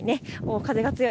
風が強い。